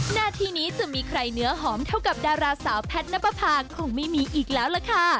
หน้าที่นี้จะมีใครเนื้อหอมเท่ากับดาราสาวแพทย์นับประพาคงไม่มีอีกแล้วล่ะค่ะ